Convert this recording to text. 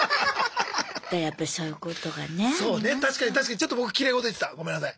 ちょっと僕きれい事言ってたごめんなさい。